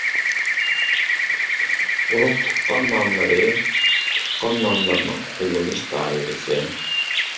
ئۇرۇق-تۇغقان ناملىرى، تۇغقان ناملىرىنىڭ قوللىنىش دائىرىسى.